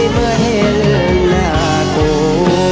เมื่อเห็นหน้ากู